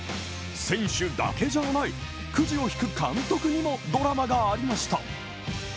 選手だけじゃない、くじを引く監督にもドラマがありました。